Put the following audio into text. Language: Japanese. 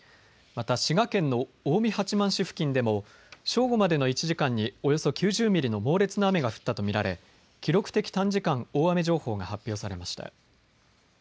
また滋賀県の近江八幡市付近でも正午までの１時間におよそ９０ミリの猛烈な雨が降ったと見られ記録的短時間大雨情報が発表されました。